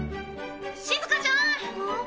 しずかちゃん！